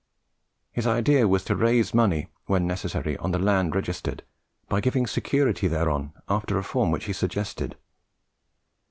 His idea was to raise money, when necessary, on the land registered, by giving security thereon after a form which he suggested.